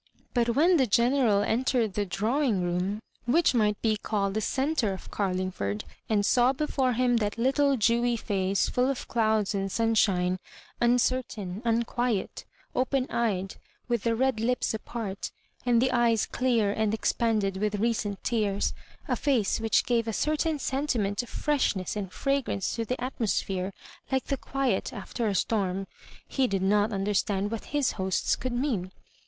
' But when the Gene ral entered the drawing room, which might be called the centre of Carlingford, and saw before him that little dewy face, mil of clouds and sun shine, uncertain, unquiet, open eyed, with the red lips apart, and the eyes dear and expanded with recent tears — a &ce which gave a certain senti ment of freshness and fragrance to the atmo sphere like the quiet after a storm — he did n6t understand what his hosts could mean.